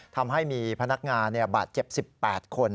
ทำให้มีพนักงานบาดเจ็บ๑๘คน